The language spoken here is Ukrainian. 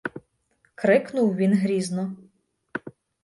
— крикнув він грізно.